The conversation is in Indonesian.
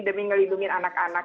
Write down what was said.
demi ngelindungi anak anak